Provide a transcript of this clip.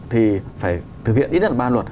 thì phải thực hiện ít nhất là ba luật